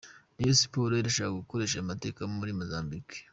Rayon Sports irashaka gukorera amateka muri Mozambike.